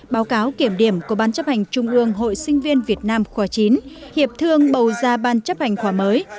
báo cáo kiểm điểm của ban chấp hành trung ương hội sinh viên việt nam khóa chín hiệp thương bầu ra ban chấp hành khóa mới